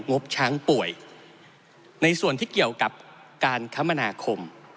งบช้างป่วยในส่วนที่เกี่ยวกับการคมนาคม